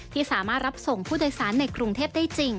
ที่สามารถรับส่งผู้โดยสารในกรุงเทพได้จริง